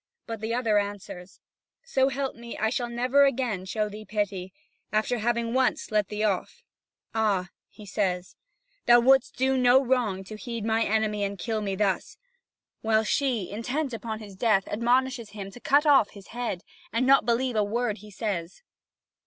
But the other answers: "So help me, I shall never again show thee pity, after having once let thee off." "Ah," he says, "thou wouldst do wrong to heed my enemy and kill me thus." While she, intent upon his death, admonishes him to cut off his head, and not to believe a word he says.